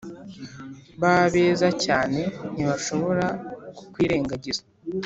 ba beza cyane ntibashobora kukwirengagiza.